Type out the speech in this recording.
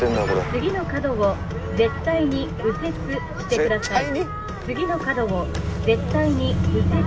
「次の角を絶対に右折してください」。